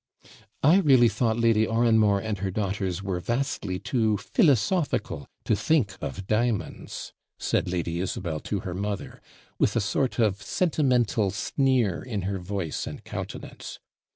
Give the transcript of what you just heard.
'I really thought Lady Oranmore and her daughters were vastly too philosophical to think of diamonds,' said Lady Isabel to her mother, with a sort of sentimental sneer in her voice and countenance.